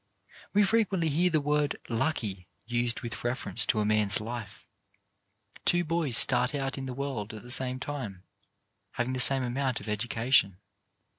We frequently hear the word "lucky" used with reference to a man's life. Two boys start out in the world at the same time, having the same amount of education.